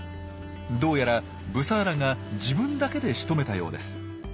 どうやらブサーラが自分だけでしとめたようです。